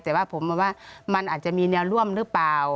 แต่ว่าผมว่ามันอาจจะมีแนวร่วมหรือเปล่า